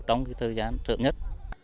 trong thời gian trợ nhất